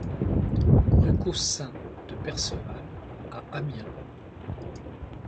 Rue Caussin De Perceval à Amiens